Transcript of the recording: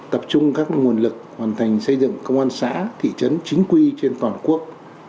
tập trung các nguồn lực hoàn thành xây dựng công an xã thị trấn chính quy trên toàn quốc